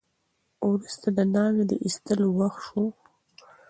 وروسته د ناوې د ایستلو وخت شو.